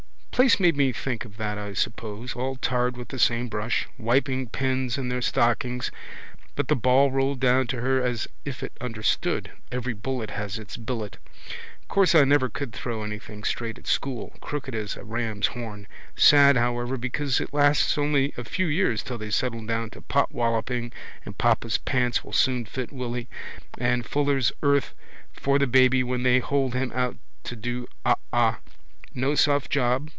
Place made me think of that I suppose. All tarred with the same brush. Wiping pens in their stockings. But the ball rolled down to her as if it understood. Every bullet has its billet. Course I never could throw anything straight at school. Crooked as a ram's horn. Sad however because it lasts only a few years till they settle down to potwalloping and papa's pants will soon fit Willy and fuller's earth for the baby when they hold him out to do ah ah. No soft job.